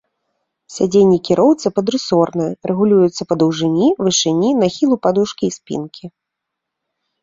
Сядзенне кіроўцы падрысоранае, рэгулюецца па даўжыні, вышыні, нахілу падушкі і спінкі.